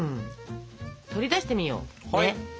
取り出してみよう。